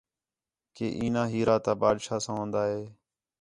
کہ ایناں ہیرا تا بادشاہ ساں ہون٘دا ہِے